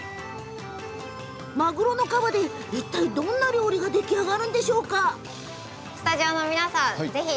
マグロの皮でどんな料理が出来上がるのでしょうか。